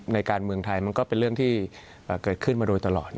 การเมืองไทยมันก็เป็นเรื่องที่เกิดขึ้นมาโดยตลอด